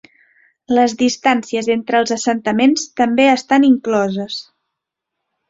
Les distàncies entre els assentaments també estan incloses.